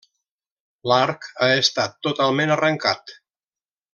L'arc ha estat totalment arrencat.